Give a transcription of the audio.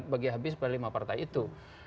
bagi habis pada lima partai itu